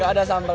gak ada sambal